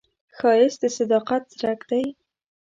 ښایست د صداقت څرک دی